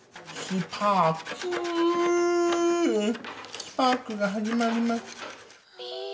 スパークが始まります。